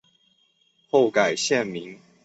后改现名。